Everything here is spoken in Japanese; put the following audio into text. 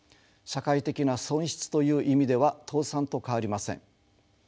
社会的な損失という意味では倒産と変わりません。